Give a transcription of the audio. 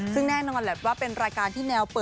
ซึ่งแน่นอนแหละว่าเป็นรายการที่แนวเปิด